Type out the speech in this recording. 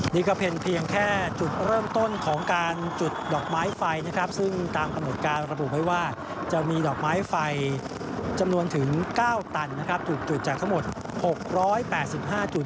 นี่ก็เป็นเพียงแค่จุดเริ่มต้นของการจุดดอกไม้ไฟนะครับซึ่งตามกำหนดการระบุไว้ว่าจะมีดอกไม้ไฟจำนวนถึง๙ตันนะครับถูกจุดจากทั้งหมด๖๘๕จุด